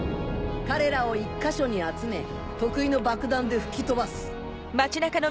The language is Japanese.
彼らを１か所に集め得意の爆弾で吹き飛ばす。